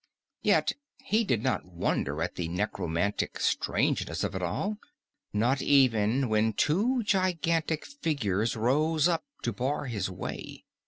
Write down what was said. Yet he did not wonder at the necromantic strangeness of it all, not even when two gigantic figures rose up to bar his way.